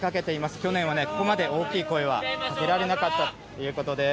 去年はね、ここまで大きい声はかけられなかったということです。